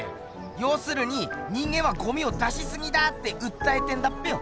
ようするに人間はゴミを出しすぎだってうったえてんだっぺよ。